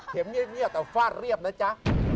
เงียบแต่ฟาดเรียบนะจ๊ะ